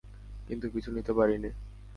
কিন্তু পিছু নিতে পারিনি।